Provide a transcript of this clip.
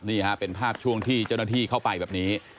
นี่ฮะเป็นภาพช่วงที่เจ้าหน้าที่เข้าไปแบบนี้